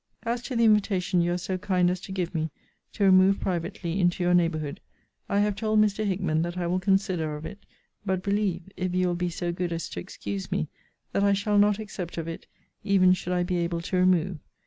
As to the invitation you are so kind as to give me, to remove privately into your neighbourhood, I have told Mr. Hickman that I will consider of it; but believe, if you will be so good as to excuse me, that I shall not accept of it, even should I be able to remove.